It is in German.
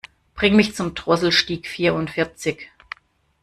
Bring mich zum Drosselstieg vierundvierzig.